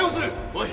おい！